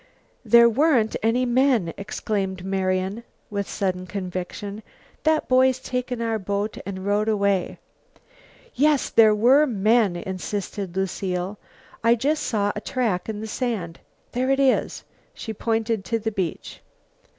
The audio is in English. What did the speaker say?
"There weren't any men," exclaimed Marian with sudden conviction. "That boy's taken our boat and rowed away." "Yes, there were men," insisted Lucile. "I just saw a track in the sand. There it is." She pointed to the beach.